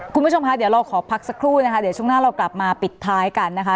คุณผู้ชมคะเดี๋ยวเราขอพักสักครู่นะคะเดี๋ยวช่วงหน้าเรากลับมาปิดท้ายกันนะคะ